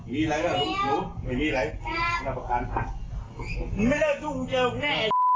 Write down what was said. มีอะไรไม่มีอะไรยังไง